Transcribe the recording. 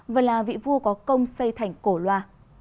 và là vị vua có công xây thành cổ loa